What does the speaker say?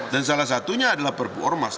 dan salah satunya adalah perpu ormas